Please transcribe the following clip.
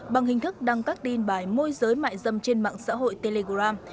bằng hình thức đăng các tin bài môi giới mại dâm trên mạng xã hội telegram